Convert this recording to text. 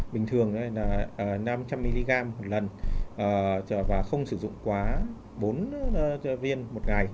bình thường là năm trăm linh mg một lần và không sử dụng quá bốn viên một ngày